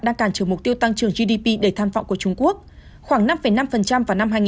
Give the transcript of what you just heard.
đang cản trừ mục tiêu tăng trưởng gdp đầy than phọng của trung quốc khoảng năm năm vào năm hai nghìn hai mươi hai